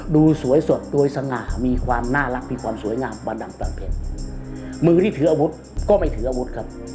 ดูสวยสดดูสง่ามีความน่ารักมีความสวยงามบรรดังต่างเผ็ด